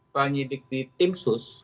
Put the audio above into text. pak nyidik di tim sus